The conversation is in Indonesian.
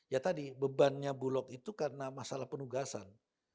ya tadi bebannya bulog itu karena masalah penugasan